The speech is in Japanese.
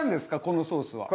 このソースは。